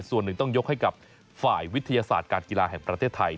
ส่วนหนึ่งต้องยกให้กับฝ่ายวิทยาศาสตร์การกีฬาแห่งประเทศไทย